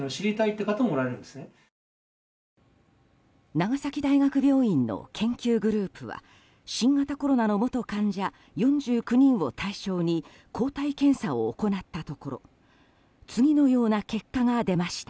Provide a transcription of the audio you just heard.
長崎大学病院の研究グループは新型コロナの元患者４９人を対象に抗体検査を行ったところ次のような結果が出ました。